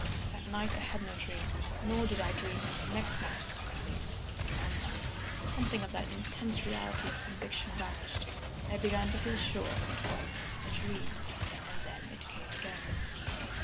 That night I had no dream. Nor did I dream the next night, at least, to remember. "Something of that intense reality of conviction vanished. I began to feel sure it was a dream. And then it came again.